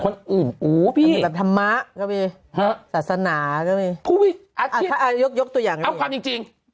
คนอื่มอู๋พี่มีแบบธรรมะก็มีศาสนาก็มีผู้วิยกตัวอย่างเลยเอาความจริง